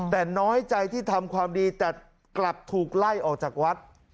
แต่น้อยใจที่ทำความดีแต่กลับถูกไล่ออกจากวัด